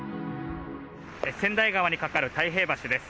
川内川に架かる太平橋です。